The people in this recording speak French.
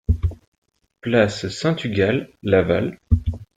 Place Saint-Tugal, Laval